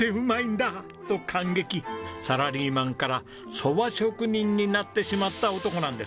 サラリーマンから蕎麦職人になってしまった男なんです。